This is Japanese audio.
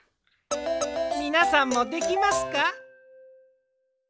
みなさんもできますか？